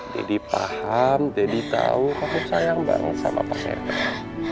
deddy paham deddy tau kamu sayang banget sama pak reger